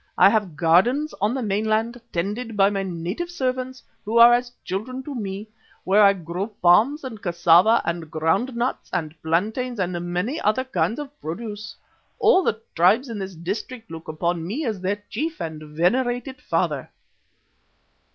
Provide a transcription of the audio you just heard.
I have gardens on the mainland, tended by my native servants who are as children to me, where I grow palms and cassava and ground nuts and plantains and many other kinds of produce. All the tribes in this district look upon me as their chief and venerated father."